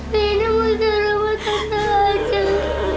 saya mau jalan rumah kakak ajeng